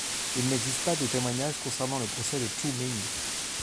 Il n'existe pas de témoignage concernant le procès de Xu Ming.